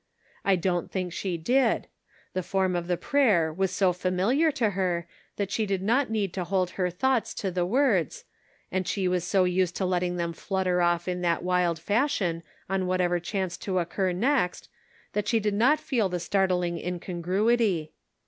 I don't think she did ; the form of the prayer was so familiar to her that she did not need to hold her thoughts to the words, and she was so used to letting them flutter off in that wild fashion on whatever chanced to occur next, that she did not feel the startling in congruity.